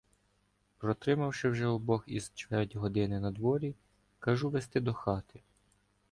Протримавши вже обох із чверть години надворі, кажу вести до хати.